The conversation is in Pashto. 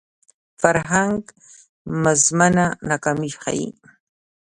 فرهنګ مزمنه ناکامي ښيي